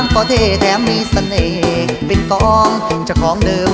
เป็นปองเจ้าของเดิม